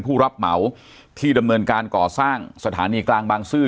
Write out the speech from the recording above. ผู้รับเหมาที่ดำเนินการก่อสร้างสถานีกลางบางซื่อ